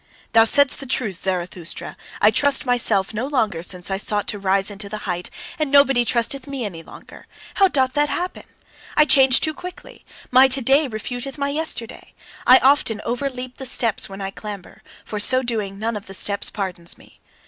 "Thou saidst the truth, Zarathustra. I trust myself no longer since I sought to rise into the height, and nobody trusteth me any longer; how doth that happen? I change too quickly: my to day refuteth my yesterday. I often overleap the steps when I clamber; for so doing, none of the steps pardons me.